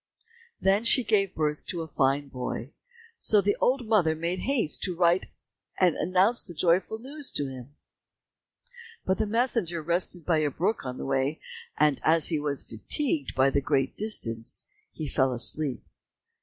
Then she gave birth to a fine boy. So the old mother made haste to write and announce the joyful news to him. But the messenger rested by a brook on the way, and as he was fatigued by the great distance, he fell asleep.